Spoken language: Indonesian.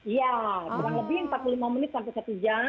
iya kurang lebih empat puluh lima menit sampai satu jam